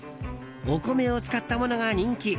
お米を使ったものが人気。